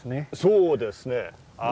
そうですね。